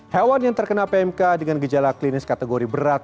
hewan yang terkena pmk dengan gejala klinis kategori berat